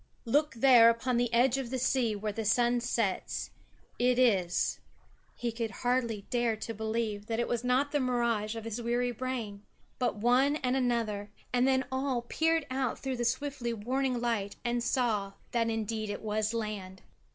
"Look, there upon the edge of the sea where the sun sets. Is it " He could hardly dare to believe that it was not the mirage of his weary brain. But one and another and then all peered out through the swiftly waning light and saw that indeed it was land.